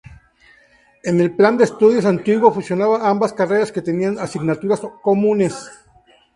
En el plan de estudios antiguo fusionaba ambas carreras que tenían asignaturas comunes.